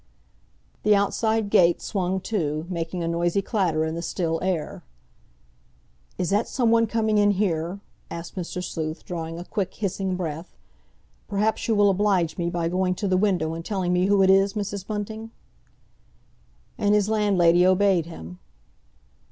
The outside gate swung to, making a noisy clatter in the still air. "Is that someone coming in here?" asked Mr. Sleuth, drawing a quick, hissing breath. "Perhaps you will oblige me by going to the window and telling me who it is, Mrs. Bunting?" And his landlady obeyed him.